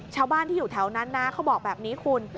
ชาวบ้านที่อยู่แถวนั้นนะเขาบอกแบบนี้คุณ